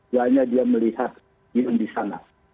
hanya dia melihat diun di sana